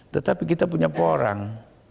tetapi kita punya porang